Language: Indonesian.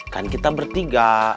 kan kita bertiga